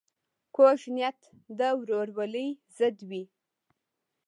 کوږه نیت د ورورولۍ ضد وي